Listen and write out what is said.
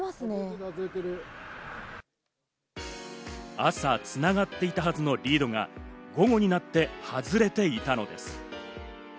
朝つながっていたはずのリードが午後になって外れていたのです。